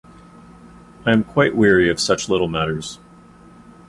I am quite weary of such little matters.